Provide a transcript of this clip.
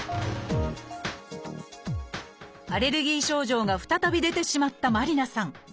アレルギー症状が再び出てしまった麻里凪さん。